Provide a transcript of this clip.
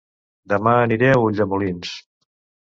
Dema aniré a Ulldemolins